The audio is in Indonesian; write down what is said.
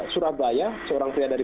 surabaya seorang pria dari